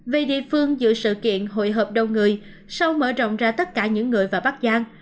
về địa phương giữ sự kiện hội hợp đầu người sau mở rộng ra tất cả những người vào bắc giang